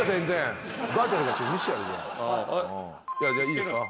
いいですか？